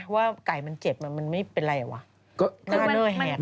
ว่าไก่มันเจ็บมันไม่เป็นไรหรือวะ